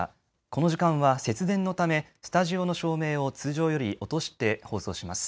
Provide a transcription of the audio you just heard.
この時間は節電のためスタジオの照明を通常より落として放送します。